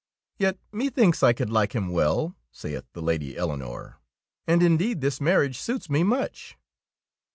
" "Yet methinks I could like him well," saith the Lady Eleonore, '^and indeed this marriage suits me much."